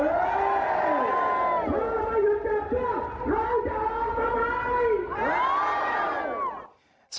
เพื่อให้มันหยุดเกิดเชื่อเราจะออกมาเลย